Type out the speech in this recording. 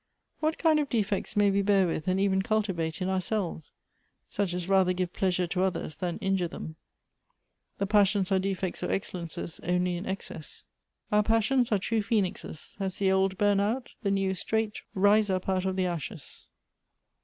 " What kind of defects may we bear with and even cultivate in ourselves? Such as rather give pleasure to others than injure them." "The passions are defects or excellences only in excess." 186 Goethe's " Our passions are true phoenixes : as the old bum out, tlie new straight rise up out of the ashes."